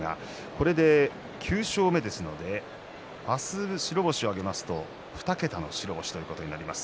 これで９勝目ですので明日白星を挙げますと２桁の白星ということになります。